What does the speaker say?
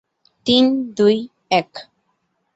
তিন, দুই, এক।